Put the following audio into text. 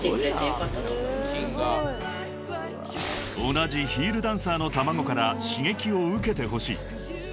［同じヒールダンサーの卵から刺激を受けてほしい］